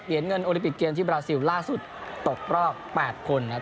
เงินโอลิปิกเกมที่บราซิลล่าสุดตกรอบ๘คนนะครับ